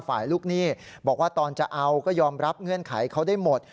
ลูกหนี้บอกว่าตอนจะเอาก็ยอมรับเงื่อนไขเขาได้หมด